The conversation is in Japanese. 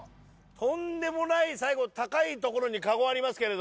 とんでもない最後高い所にカゴありますけれど。